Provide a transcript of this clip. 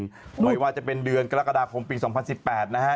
ไม่ว่าจะเป็นเดือนกรกฎาคมปี๒๐๑๘นะฮะ